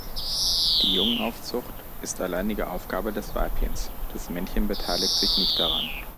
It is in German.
Die Jungenaufzucht ist alleinige Aufgabe des Weibchens, das Männchen beteiligt sich nicht daran.